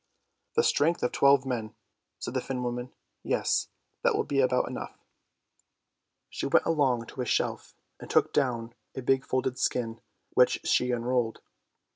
" The strength of twelve men," said the Finn woman. " Yes, that will be about enough." She went along to a shelf and took down a big folded skin, which she unrolled.